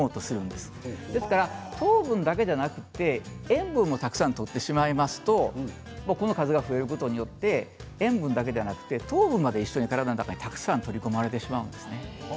ですから糖分だけじゃなくて塩分もたくさんとってしまいますとＳＧＬＴの数が増えることによって塩分だけではなく糖分も体の中にたくさんとり込まれてしまうんですね。